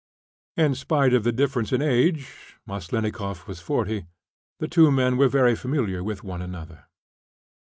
In spite of the difference in age (Maslennikoff was 40), the two men were very familiar with one another.